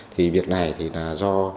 thì việc này thì là do